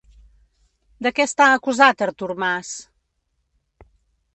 De què està acusat Artur Mas?